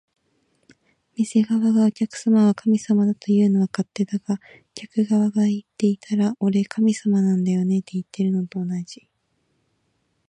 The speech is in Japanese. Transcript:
店側が「お客様は神様だ」というのは勝手だが、客側が言っていたら「俺、神様なんだよね」っていってるのと同じ